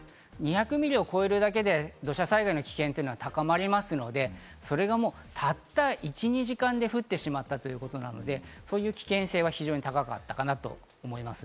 ２００ミリを超えるだけで土砂災害の危険というのは高まりますので、それがもうたった１２時間で降ってしまったということなので、そういう危険性は非常に高かったかなと思います。